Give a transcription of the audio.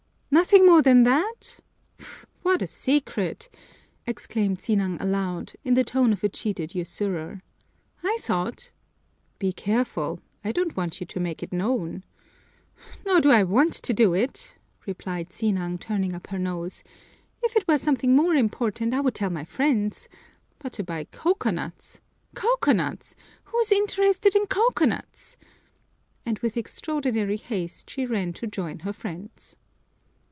"Nothing more than that? What a secret!" exclaimed Sinang aloud, in the tone of a cheated usurer. "I thought " "Be careful! I don't want you to make it known!" "Nor do I want to do it," replied Sinang, turning up her nose. "If it were something more important, I would tell my friends. But to buy coconuts! Coconuts! Who's interested in coconuts?" And with extraordinary haste she ran to join her friends.